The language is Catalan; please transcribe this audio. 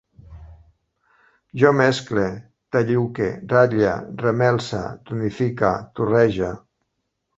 Jo mescle, talluque, ratlle, remelse, tonifique, torrege